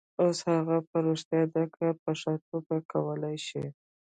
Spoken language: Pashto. اوس هغه په رښتیا دا کار په ښه توګه کولای شي